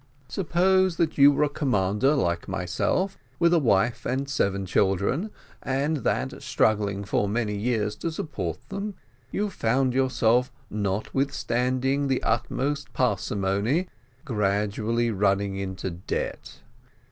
"Suppose that you were a commander like myself, with a wife and seven children, and that, struggling for many years to support them, you found yourself, notwithstanding the utmost parsimony, gradually running into debt.